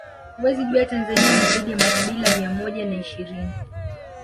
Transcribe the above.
Huwezi jua Tanzania ina zaidi ya makabila mia moja na ishirini